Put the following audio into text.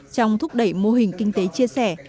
trong thúc đẩy mô hình kinh tế chia sẻ